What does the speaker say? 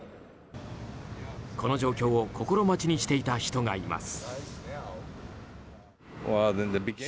この状況を心待ちにしていた人がいます。